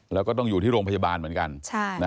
แล้วก็ต้องอยู่ที่โรงพยาบาลเหมือนกัน